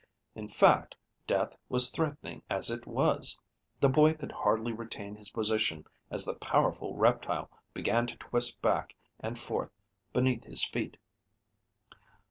In fact, death was threatening as it was. The boy could hardly retain his position as the powerful reptile began to twist back and forth beneath his feet.